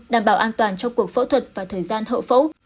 đảm bảo an toàn cho cuộc phẫu thuật và thời gian hậu phẫu